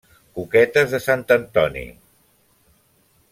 Coquetes de sant Antoni.